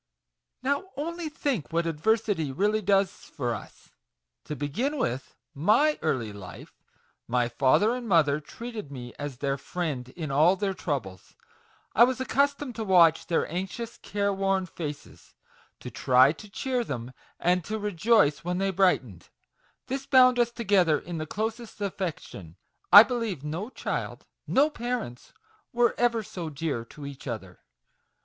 Now, only think what adversity really does for us, To begin with my early life : my father and mother treated me as their friend in all their troubles ; I was accustomed to watch their anxious care worn faces, to try to cheer them, and to rejoice when they brightened : this bound us together in the closest affection; I believe no child, no parents, were ever so dear to each other.